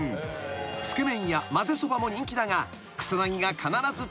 ［つけ麺やまぜそばも人気だが］